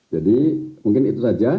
jadi mungkin itu saja